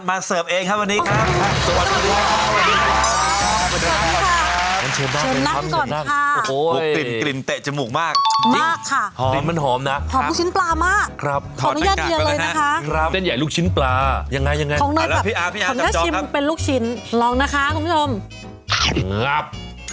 มาแล้วครับมาแล้วครับ